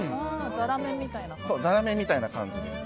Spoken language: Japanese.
ザラメみたいな感じです。